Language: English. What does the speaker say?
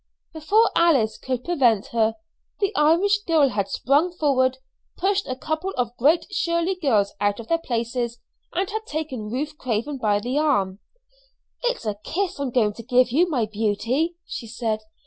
Before Alice could prevent her, the Irish girl had sprung forward, pushed a couple of Great Shirley girls out of their places, and had taken Ruth Craven by the arm. "It's a kiss I'm going to give you, my beauty," she said.